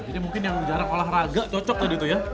jadi mungkin yang jarak olahraga cocok tadi tuh ya